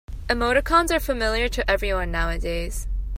Emoticons are familiar to everyone nowadays.